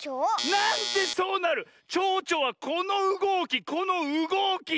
なんでそうなる⁉ちょうちょはこのうごきこのうごき！